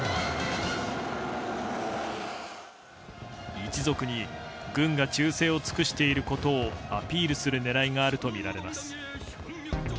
一族に軍が忠誠を尽くしていることをアピールする狙いがあるとみられます。